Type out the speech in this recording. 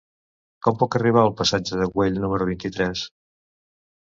Com puc arribar al passatge de Güell número vint-i-tres?